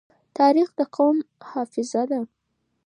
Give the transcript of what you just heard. تاریخ د قوم حافظه ده.